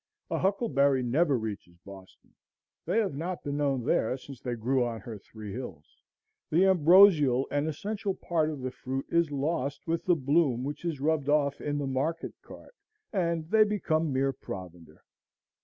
A huckleberry never reaches Boston; they have not been known there since they grew on her three hills. The ambrosial and essential part of the fruit is lost with the bloom which is rubbed off in the market cart, and they become mere provender.